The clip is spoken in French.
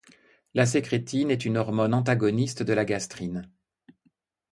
La sécrétine est une hormone antagoniste de la gastrine.